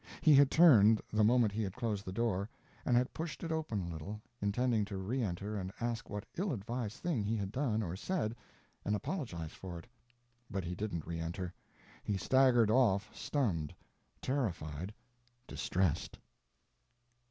He had turned, the moment he had closed the door, and had pushed it open a little, intending to re enter and ask what ill advised thing he had done or said, and apologize for it. But he didn't re enter; he staggered off stunned, terrified, distressed.